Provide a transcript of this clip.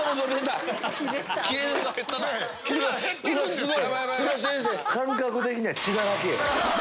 すごい。